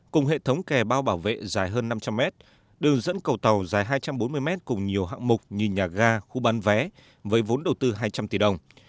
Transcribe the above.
cùng hệ thống kè bao bảo vệ dài hơn năm trăm linh mét đường dẫn cầu tàu dài hai trăm bốn mươi mét cùng nhiều hạng mục như nhà ga khu bán vé với vốn đầu tư hai trăm linh tỷ đồng